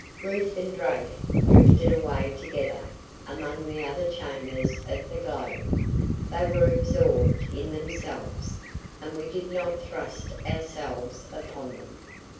Ruth and Drake drifted away together among the other chambers of the globe; they were absorbed in themselves, and we did not thrust ourselves upon them.